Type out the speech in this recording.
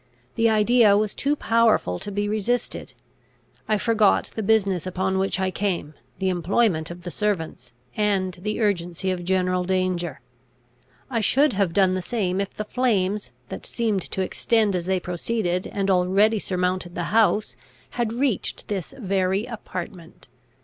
The idea was too powerful to be resisted. I forgot the business upon which I came, the employment of the servants, and the urgency of general danger. I should have done the same if the flames that seemed to extend as they proceeded, and already surmounted the house, had reached this very apartment.